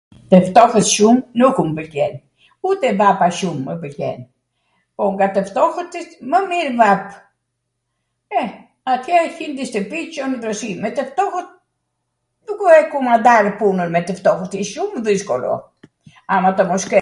Tw ftohwt shum nuku mw pwlqen, ute vapa shum mw pwlqen. Po nga tw ftohwtit mw mir vap. E, atjer hin ndw shtwpi, gjwn dhrosi. Me tw ftohwt nukw e kumandar punwn me tw ftoht, wsht shum dhiskollo. Ama tw mos ket